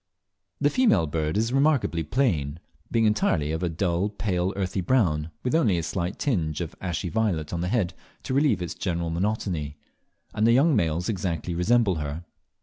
The female bird is remarkably plain, being entirely of a dull pale earthy brown, with only a slight tinge of ashy violet on the head to relieve its general monotony; and the young males exactly resemble her.